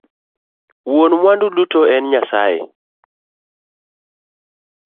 Wuon mwandu duto en nyasaye